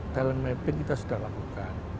talent mapping kita sudah lakukan